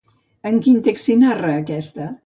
En quin text s'hi narra aquesta?